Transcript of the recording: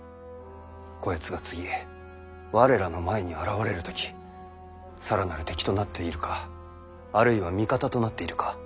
こやつが次我らの前に現れる時更なる敵となっているかあるいは味方となっているか